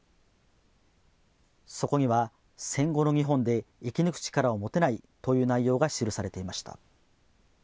そこには戦後の日本で生き抜く力を持てないという内容が記されていました。